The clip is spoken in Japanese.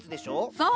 そう。